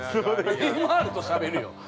ネイマールとしゃべるよ。